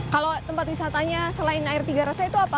kalau tempat wisatanya selain air tiga rasa itu apa